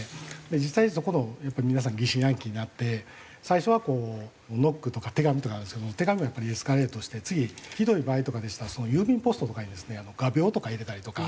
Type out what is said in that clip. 実際にそこのやっぱり皆さん疑心暗鬼になって最初はこうノックとか手紙とかなんですけども手紙もやっぱりエスカレートして次ひどい場合とかでしたら郵便ポストとかにですね画鋲とか入れたりとか。